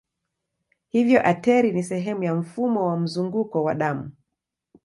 Hivyo ateri ni sehemu ya mfumo wa mzunguko wa damu.